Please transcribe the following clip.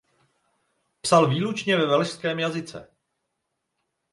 Psal výlučně ve velšském jazyce.